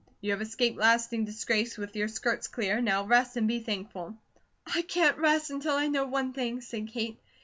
You have escaped lasting disgrace with your skirts clear, now rest and be thankful." "I can't rest until I know one thing," said Kate.